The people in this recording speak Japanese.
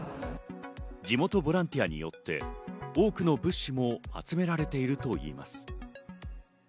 地元ボランティアによって多くの物資も集められているといいます。